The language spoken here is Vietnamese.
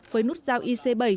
với nút dao ic bảy